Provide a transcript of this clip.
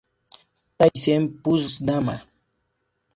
Taisen Puzzle-Dama